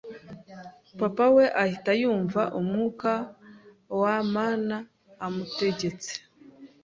papa we ahita yumva umwuka w’aiamana umutegetse